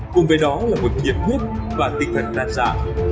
cùng với đó là một nghiệp thuyết và tinh thần đan dạ